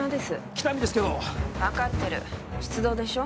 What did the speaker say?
喜多見ですけど分かってる出動でしょ